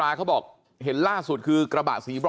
แล้วก็ยัดลงถังสีฟ้าขนาด๒๐๐ลิตร